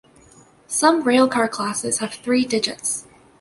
Some railcar classes have three digits.